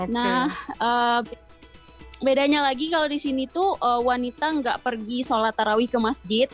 nah bedanya lagi kalau di sini tuh wanita nggak pergi sholat tarawih ke masjid